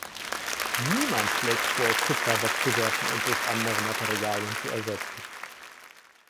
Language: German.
Niemand schlägt vor, Kupfer wegzuwerfen und durch andere Materialien zu ersetzen.